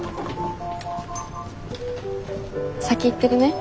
先行ってるね。